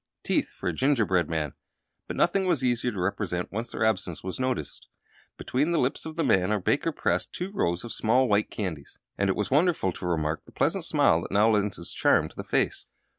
Teeth for a gingerbread man! But nothing was easier to represent, once their absence was noted. Between the lips of the man our baker pressed two rows of small white candies, and it was wonderful to remark the pleasant smile that now lent its charm to the face.